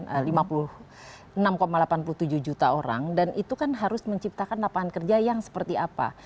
dalam hal mengatasi tingkat pengangguran terbuka yang tadi disebutkan lima puluh enam delapan puluh tujuh juta orang dan itu kan harus menciptakan lapangan kerja seperti apa